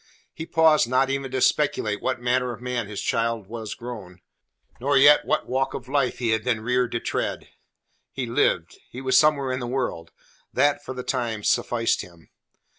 He paused not even to speculate what manner of man his child was grown, nor yet what walk of life he had been reared to tread. He lived: he was somewhere in the world; that for the time sufficed him.